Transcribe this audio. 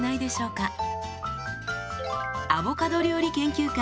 アボカド料理研究家